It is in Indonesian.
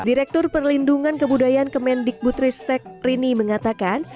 direktur perlindungan kebudayaan kemendik butristek rini mengatakan